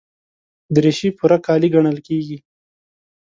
دریشي پوره کالي ګڼل کېږي.